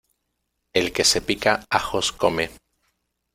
El que se pica ajos come.